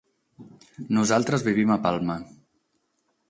Nosaltres vivim a Palma.